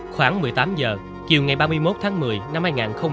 khoảng một mươi tám giờ chiều ngày ba mươi một tháng một mươi năm hai nghìn ba